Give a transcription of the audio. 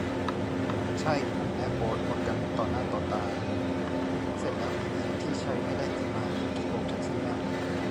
ใช่ หน่อยแน่ โค้ด หมดกันต่อหน้าต่อตา เสร็จแล้วมีอิ ที่ใช้ไม่ได้จริงมา เมื่อกี้โบกแท็กซี่แม่ม